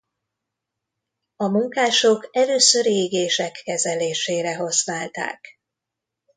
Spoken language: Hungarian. A munkások először égések kezelésére használták.